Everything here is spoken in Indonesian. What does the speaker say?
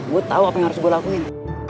gue tahu apa yang harus gue lakuin